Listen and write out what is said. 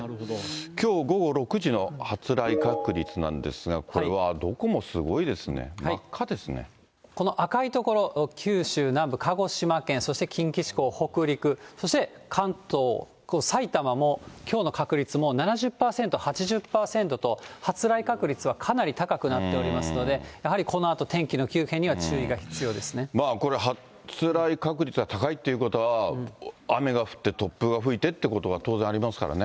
きょう午後６時の発雷確率なんですが、これはどこもすごいでこの赤い所、九州南部、鹿児島県、そして近畿地方、北陸、そして関東、埼玉もきょうの確率、もう７０％、８０％と、発雷確率はかなり高くなっておりますので、やはりこのあと、これ、発雷確率が高いということは、雨が降って、突風が吹いてっていうことが当然ありますからね。